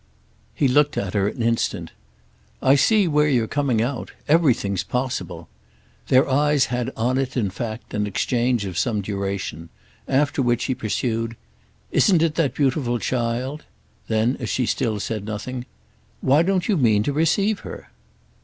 He looked at her an instant. "I see where you're coming out. Everything's possible." Their eyes had on it in fact an exchange of some duration; after which he pursued: "Isn't it that beautiful child?" Then as she still said nothing: "Why don't you mean to receive her?"